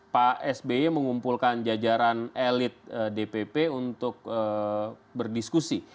pak sby mengumpulkan jajaran elit dpp untuk berdiskusi